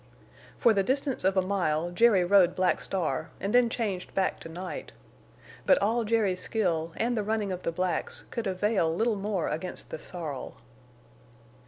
For the distance of a mile Jerry rode Black Star and then changed back to Night. But all Jerry's skill and the running of the blacks could avail little more against the sorrel.